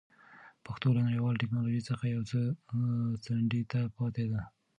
پښتو له نړیوالې ټکنالوژۍ څخه یو څه څنډې ته پاتې ده.